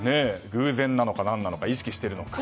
偶然なのか、意識しているのか。